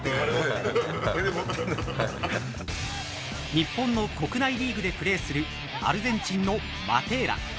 日本の国内リーグでプレーするアルゼンチンのマテーラ。